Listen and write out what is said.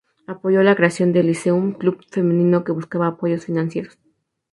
Apoyó la creación del Lyceum Club Femenino, que buscaba apoyos financieros.